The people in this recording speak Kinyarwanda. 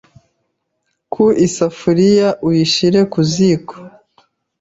ku isafuriya ushyire ku ziko